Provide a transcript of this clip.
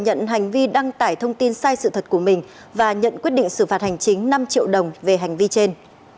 nhận hành vi đăng tải thông tin sai sự thật của mình và nhận quyết định xử phạt hành chính năm triệu đồng về hành vi trên